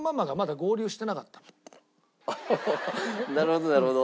おおなるほどなるほど。